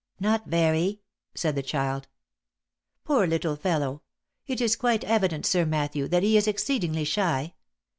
" Not very," said the child. " Poor little fellow !— It is quite evident, Sir Matthew, that he is exceedingly shy.